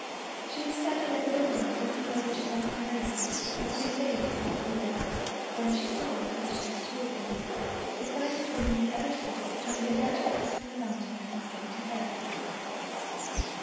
She was standing at the window, looking over to Knocknarea where Queen Maive is thought to be buried, when she saw, as she has told me, ' the finest woman you ever saw travelling right across from the mountain and straight to her.'